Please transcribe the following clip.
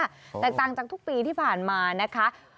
แตกต่างจากทุกปีที่ผ่านมานะคะ